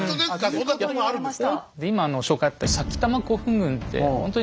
そんなとこもあるんですか？